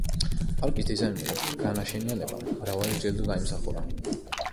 პარკის დიზაინმა და განაშენიანებამ მრავალი ჯილდო დაიმსახურა.